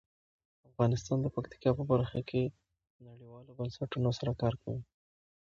افغانستان د پکتیکا په برخه کې نړیوالو بنسټونو سره کار کوي.